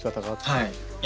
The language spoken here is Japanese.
はい。